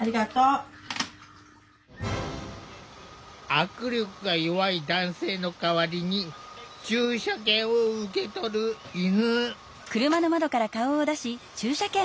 握力が弱い男性の代わりに駐車券を受け取る犬。